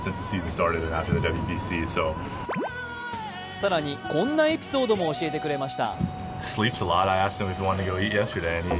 更に、こんなエピソードも教えてくれました。